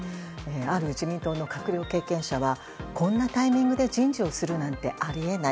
ある自民党の閣僚経験者はこんなタイミングで人事をするなんてあり得ない。